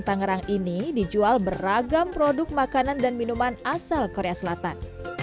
tangerang ini dijual beragam produk makanan dan minuman asal korea selatan